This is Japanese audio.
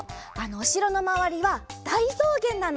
おしろのまわりはだいそうげんなの。